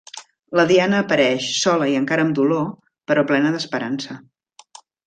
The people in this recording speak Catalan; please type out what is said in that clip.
La Diana apareix, sola i encara amb dolor, però plena d’esperança.